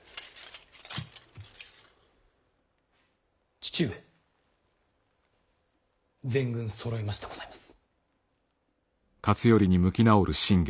父上全軍そろいましてございます。